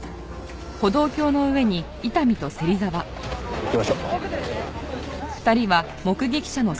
行きましょう。